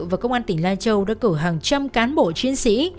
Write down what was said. và công an tỉnh lai châu đã cử hàng trăm cán bộ chiến sĩ